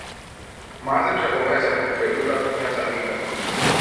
Μάζεψε από μέσα από τη φελούκα του μια σανίδα